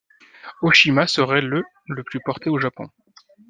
Ōshima serait le le plus porté au Japon.